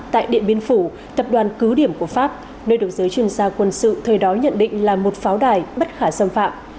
tại điện biên phủ tập đoàn cứ điểm của pháp nơi được giới chuyên gia quân sự thời đói nhận định là một pháo đài bất khả xâm phạm